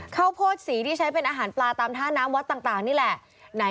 ข้าวโพดสีที่ใช้เป็นอาหารปลาตามท่าน้ำวัดต่างนี่แหละ